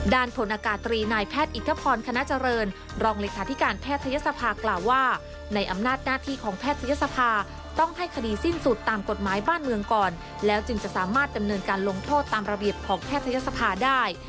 ผลอากาศตรีนายแพทย์อิทธพรคณะเจริญรองเลขาธิการแพทยศภากล่าวว่าในอำนาจหน้าที่ของแพทยศภาต้องให้คดีสิ้นสุดตามกฎหมายบ้านเมืองก่อนแล้วจึงจะสามารถดำเนินการลงโทษตามระเบียบของแพทยศภาได้